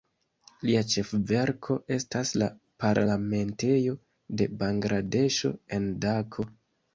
Lia ĉefverko estas la parlamentejo de Bangladeŝo, en Dako.